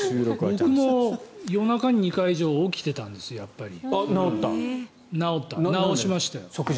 僕も夜中に２回以上起きていたんですが直しました。